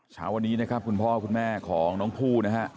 เช้าวันนี้นะครับคุณพ่อคุณแม่ของน้องผู้นะฮะ